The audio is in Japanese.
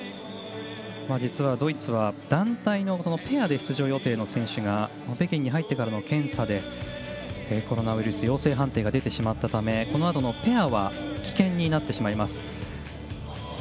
実はドイツは団体のペアで出場予定の選手が北京に入ってからの検査でコロナウイルスの陽性判定が出てしまったためこのあとのペアは棄権になってしまいます。